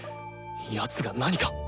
やつが何か。